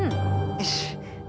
よし。